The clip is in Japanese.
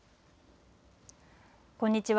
こんにちは。